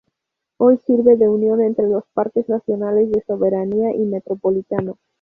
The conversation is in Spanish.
Hoy sirve de unión entre los parques nacionales de Soberanía y Metropolitano.